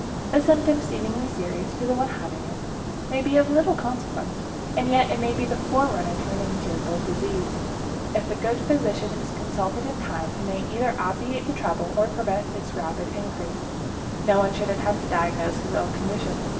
A symptom seemingly serious to the one having it may be of little consequence, and yet it may be the forerunner of an incurable disease. If a good physician is consulted in time, he may either obviate the trouble or prevent its rapid increase. No one should attempt to diagnose his own condition.